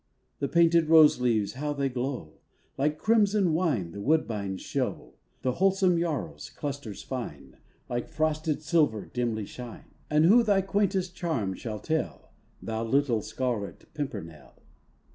The painted rose leaves, how they glow! Like crimson wine the woodbines show; The wholesome yarrow's clusters fine, Like frosted silver dimly shine; And who thy quaintest charm shall tell, Thou little scarlet pimpernel?